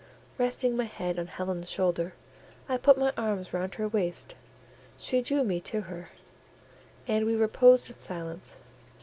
Resting my head on Helen's shoulder, I put my arms round her waist; she drew me to her, and we reposed in silence.